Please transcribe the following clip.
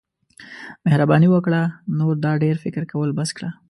مهرباني وکړه نور دا ډیر فکر کول بس کړه.